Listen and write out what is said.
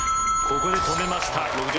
ここで止めました。